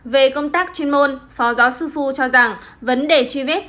về công tác chuyên môn phó giáo sư phu cho rằng vấn đề truy vết